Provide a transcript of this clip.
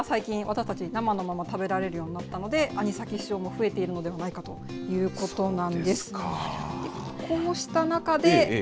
なのでいろんなお魚が最近、私たち、生のまま食べられるようになったので、アニサキス症も増えているのではないかということなんです。